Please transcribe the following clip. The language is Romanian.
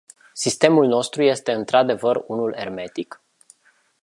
Sistemul nostru este într-adevăr unul ermetic?